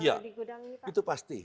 iya itu pasti